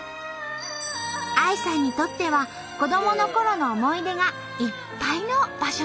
ＡＩさんにとっては子どものころの思い出がいっぱいの場所